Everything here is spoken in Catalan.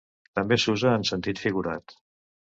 També s’usa en sentit figurat: